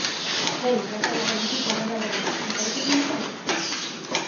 Denok lasaiago biziko gara orain, ez zaizu iruditzen?...